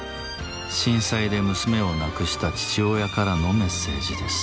震災で娘を亡くした父親からのメッセージです。